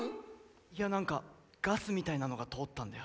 いやなんかガスみたいなのが通ったんだよ。